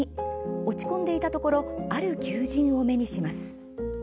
落ち込んでいたところある求人を目にします。